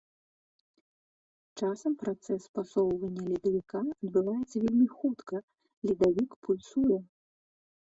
Часам працэс пасоўвання ледавіка адбываецца вельмі хутка, ледавік пульсуе.